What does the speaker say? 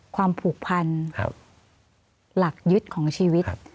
ความผูกพันหลักยึดของชีวิต